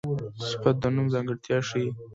صفت د نوم ځانګړتیا ښيي.